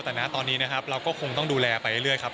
แต่ตอนนี้เราก็คงต้องดูแลไปเรื่อยครับ